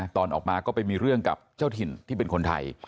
ตอนออกมาก็ไปมีเรื่องกับเจ้าถิ่นที่เป็นคนไทย